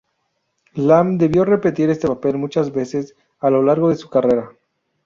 Lam debió repetir este papel muchas veces a lo largo de su carrera.